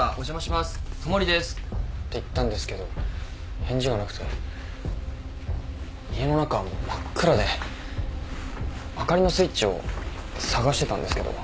戸守ですって言ったんですけど返事はなくて家の中真っ暗で灯りのスイッチを探してたんですけど。